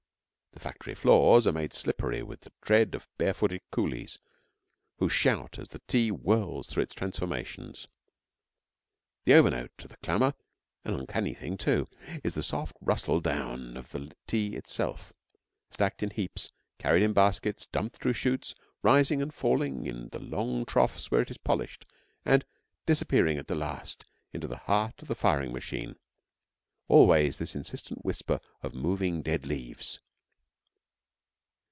The factory floors are made slippery with the tread of bare footed coolies, who shout as the tea whirls through its transformations. The over note to the clamour an uncanny thing too is the soft rustle down of the tea itself stacked in heaps, carried in baskets, dumped through chutes, rising and falling in the long troughs where it is polished, and disappearing at last into the heart of the firing machine always this insistent whisper of moving dead leaves.